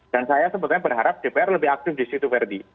dan saya sebetulnya berharap dpr lebih aktif di situ verdi